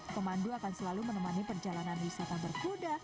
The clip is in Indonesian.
pemandu akan selalu menemani perjalanan wisata berkuda